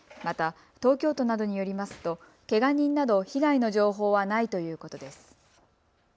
また東京都などによりますとけが人など被害の情報はないということです。